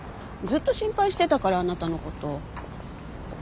ずっと心配してたからあなたのこと。